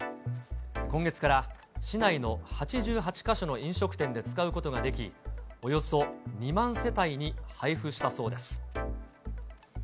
今月から市内の８８か所の飲食店で使うことができ、およそ２万世帯に配布したそうです。